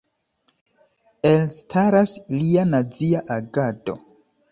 Elstaras lia nazia agado.